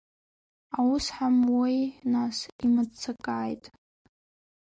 Аус ҳамуеи нас, имыццакааит.